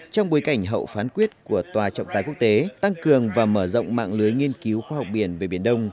trong bối cảnh hậu phán quyết của tòa trọng tài quốc tế tăng cường và mở rộng mạng lưới nghiên cứu khoa học biển về biển đông